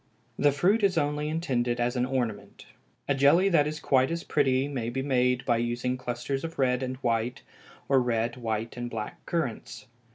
The fruit is only intended as an ornament. A jelly that is quite as pretty may be made by using clusters of red and white, or red, white, and black currants.